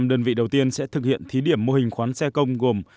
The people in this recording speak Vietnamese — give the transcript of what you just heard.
năm đơn vị đầu tiên sẽ thực hiện thí điểm mô hình khoán xe công gồm